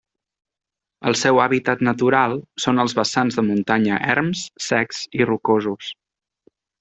El seu hàbitat natural són els vessants de muntanya erms, secs i rocosos.